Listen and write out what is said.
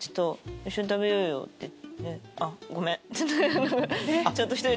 「一緒に食べようよ」って来て。